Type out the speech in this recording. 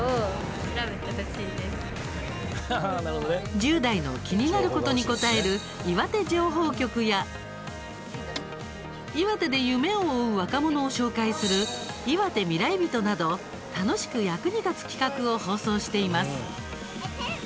１０代の気になることに答えるいわて情報局や岩手で夢を追う若者を紹介する「いわてミライビト」など楽しく役に立つ企画を放送しています。